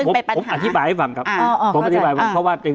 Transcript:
ผมอธิบายให้ฟังครับ